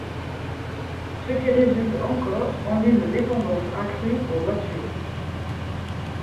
Ce qui résulte encore en une dépendance accrue aux voitures.